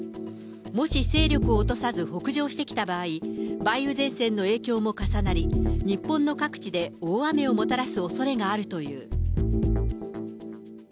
もし勢力を落とさず、北上してきた場合、梅雨前線の影響も重なり、日本の各地で大雨をもたらすおそれがあるという。